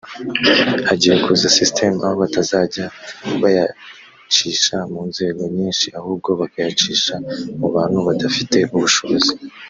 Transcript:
hagiye kuza system aho batazajya bayacisha mu nzego nyinshi ahubwo bakayacisha mu bantu badafite ubushobozi